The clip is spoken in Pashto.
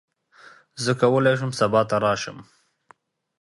زه کولی شم سبا ته راشم.